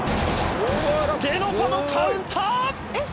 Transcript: レノファのカウンター。